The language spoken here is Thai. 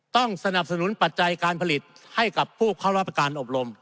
ต้องสนับสนุนปัจจัยการผลิตให้กับผู้เข้ารับประการอบรม